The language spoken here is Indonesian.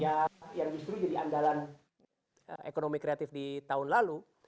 ya yang justru jadi andalan ekonomi kreatif di tahun lalu